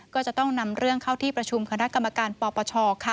ก็จะต้องนำเรื่องเข้าที่ประชุมคณะกรรมการปปชค่ะ